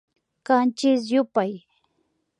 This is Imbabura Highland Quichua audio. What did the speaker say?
Kanchis yupay